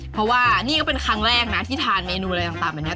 เพราะว่านี่ก็เป็นครั้งแรกนะที่ทานเมนูอะไรต่างแบบนี้